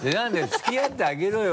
付き合ってあげろよ